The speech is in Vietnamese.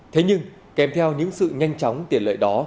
thế nhưng kèm theo những sự nhanh chóng tiện lợi đó